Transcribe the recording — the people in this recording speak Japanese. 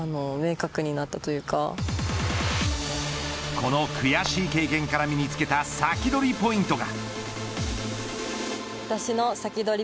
この悔しい経験から身に付けたサキドリポイントが。